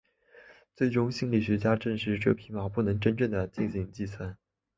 最终心理学家证实这匹马不能真正地进行计算。